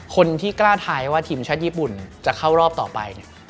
คนที่กล้าท้ายว่าทีมชัดญี่ปุ่นจะเข้ารอบต่อไป